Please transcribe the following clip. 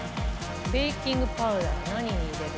ベーキングパウダー何に入れるっけ？